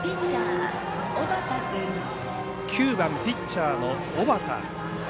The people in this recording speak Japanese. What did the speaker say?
９番ピッチャーの小畠。